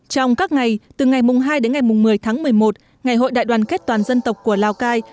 trong các ngày từ ngày hai đến ngày một mươi tháng một mươi một ngày hội đại đoàn kết toàn dân tộc của lào cai